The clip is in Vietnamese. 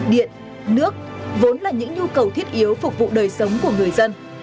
điện nước vốn là những nhu cầu thiết yếu phục vụ đời sống của người dân